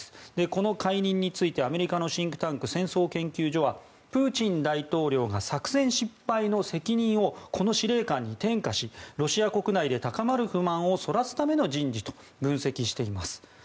この解任についてアメリカのシンクタンク戦争研究所はプーチン大統領が作戦失敗の責任をこの司令官に転嫁しロシア国内で高まる不満をそらすための人事と分析しています。